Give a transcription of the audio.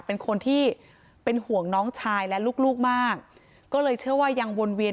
เป็นคนที่เป็นห่วงน้องชายและลูกลูกมากก็เลยเชื่อว่ายังวนเวียน